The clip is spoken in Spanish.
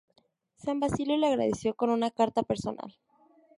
San Basilio le agradeció con una carta personal.